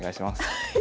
はい。